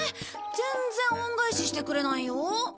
全然恩返ししてくれないよ。